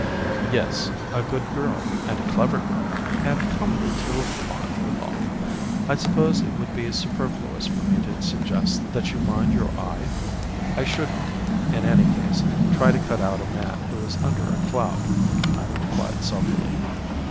"Yes. A good girl and a clever girl, and comely to look upon withal. I suppose it would be superfluous for me to suggest that you mind your eye?" "I shouldn't, in any case, try to cut out a man who is under a cloud," I replied sulkily.